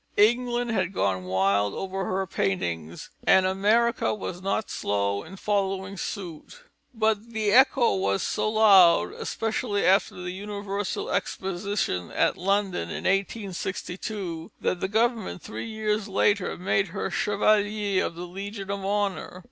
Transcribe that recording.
England has gone wild over her paintings; and America was not slow in following suit. But the echo was so loud, especially after the Universal Exposition at London in 1862, that the government three years later made her Chevalier of the Legion of Honour.